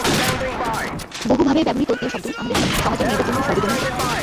বহু ভাবে ব্যবহৃত বিয়ে শব্দ আমাদের সমাজের মেয়েদের জন্য সর্বজনীন সত্য।